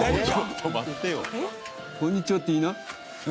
「こんにちは」って言いな。